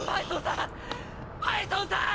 バイソンさん！